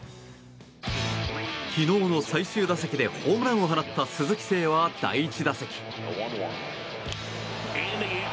昨日の最終打席でホームランを放った鈴木誠也は第１打席。